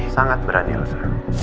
sangat berani elsa